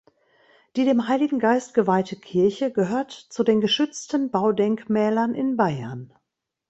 Die dem Heiligen Geist geweihte Kirche gehört zu den geschützten Baudenkmälern in Bayern.